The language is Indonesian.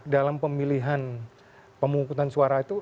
dalam pemilihan pemungkutan suara itu